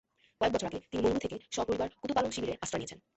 কয়েক বছর আগে তিনি মংডু থেকে সপরিবার কুতুপালং শিবিরে আশ্রয় নিয়েছেন।